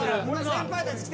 先輩たち来て！